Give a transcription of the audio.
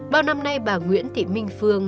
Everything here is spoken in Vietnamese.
bào năm nay bà nguyễn thị minh phương